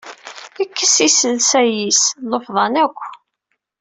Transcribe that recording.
Kkes iselsa-is, llufḍan aṭas.